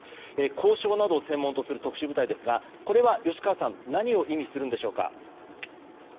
交渉などを専門とする特殊部隊ですがこれは吉川さん何を意味するんでしょうか。